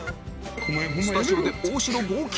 スタジオで大城号泣。